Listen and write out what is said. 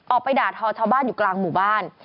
ไปด่าทอชาวบ้านอยู่กลางหมู่บ้าน